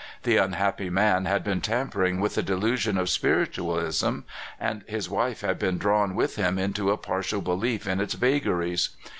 The un happy man had been tampering with the delusion of spiritualism, and his wife had been drawn with him into a partial belief in its vagaries.